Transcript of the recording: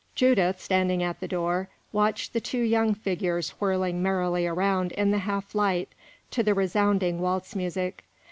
Judith, standing at the door, watched the two young figures whirling merrily around in the half light to the resounding waltz music.